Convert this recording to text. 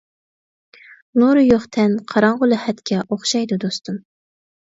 نۇرى يوق تەن قاراڭغۇ لەھەتكە ئوخشايدۇ دوستۇم.